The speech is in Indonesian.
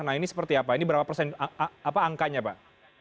nah ini seperti apa ini berapa persen apa angkanya pak